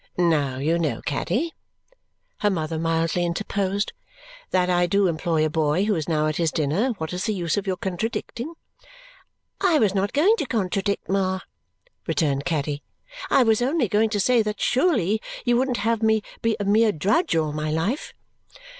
"Now you know, Caddy," her mother mildly interposed, "that I DO employ a boy, who is now at his dinner. What is the use of your contradicting?" "I was not going to contradict, Ma," returned Caddy. "I was only going to say that surely you wouldn't have me be a mere drudge all my life."